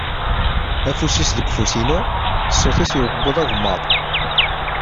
Afus-is deg ufus-inu, ṣṣut-is yewweḍ agemmaḍ.